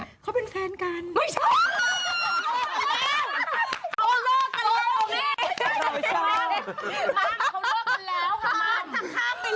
เขาเป็นแฟนกัน